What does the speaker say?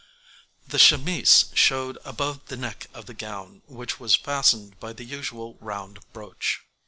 The chemise showed above the neck of the gown, which was fastened by the usual round brooch.